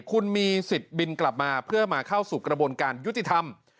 คุณมีสิทธิ์บินกลับมาเพื่อมาเข้าสู่กระบวนการยุติธรรม